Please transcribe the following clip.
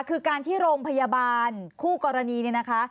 คือการที่โรงพยาบาลคู่กรณีเนี่ยนะคะ